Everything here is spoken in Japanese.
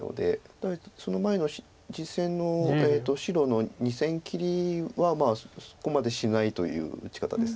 ただその前の実戦の白の２線切りはそこまでしないという打ち方です。